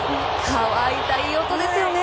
乾いたいい音ですよね。